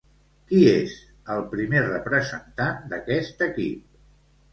Qui és el primer representant d'aquest equip?